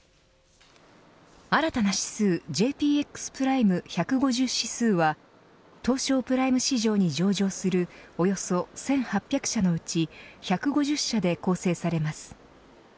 新たな指数ＪＰＸプライム１５０指数は東証プライム市場に上場するおよそ１８００社のうち１５０社で構成されます。